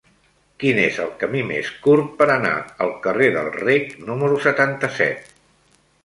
Quin és el camí més curt per anar al carrer del Rec número setanta-set?